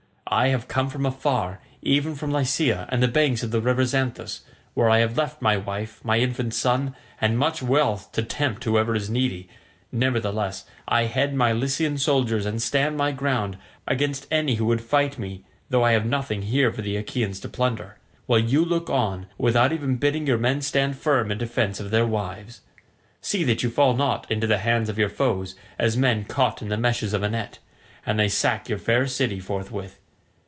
I have come from afar, even from Lycia and the banks of the river Xanthus, where I have left my wife, my infant son, and much wealth to tempt whoever is needy; nevertheless, I head my Lycian soldiers and stand my ground against any who would fight me though I have nothing here for the Achaeans to plunder, while you look on, without even bidding your men stand firm in defence of their wives. See that you fall not into the hands of your foes as men caught in the meshes of a net, and they sack your fair city forthwith.